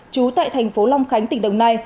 trú tại thành phố long khánh tỉnh đồng nai